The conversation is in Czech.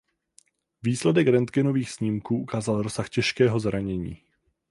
Výsledek rentgenových snímků ukázal rozsah těžkého zranění.